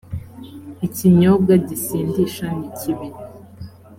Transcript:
ikinyobwa gisindisha nikibi